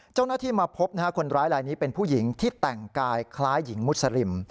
เจ้าหน้าที่มาพบคนร้ายลายนี้เป็นผู้หญิงที่แต่งกายคล้ายหญิงมุสลิม